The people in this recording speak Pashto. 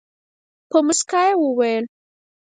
په موسکا یې وویل.